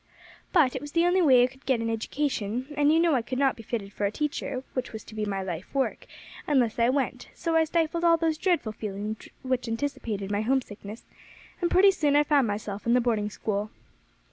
"But it was the only way I could get an education; and you know I could not be fitted for a teacher, which was to be my life work, unless I went; so I stifled all those dreadful feelings which anticipated my homesickness, and pretty soon I found myself in the boarding school."